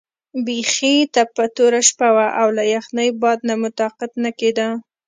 بیخي تپه توره شپه وه او له یخنۍ باد نه مو طاقت نه کېده.